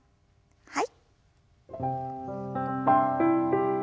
はい。